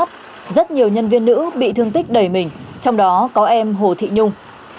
trong phòng hát rất nhiều nhân viên nữ bị thương tích đẩy mình trong đó có em hồ thị nhung